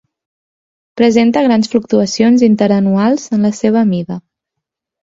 Presenta grans fluctuacions interanuals en la seva mida.